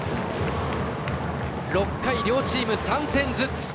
６回、両チーム３点ずつ！